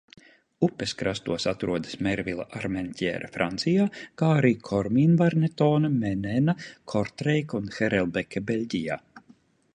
Upes krastos atrodas Mervila, Armantjēra Francijā, kā arī Komīnvarnetona, Menena, Kortreika un Harelbeke Beļģijā.